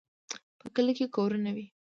په کلي کې کورونه وي.